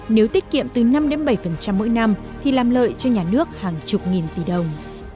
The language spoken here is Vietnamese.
nếu tiết kiệm từ năm bảy mỗi năm thì làm lợi cho nhà nước hàng chục nghìn tỷ đồng